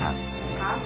乾杯。